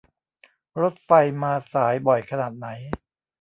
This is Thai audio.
รถไฟมาสายบ่อยขนาดไหน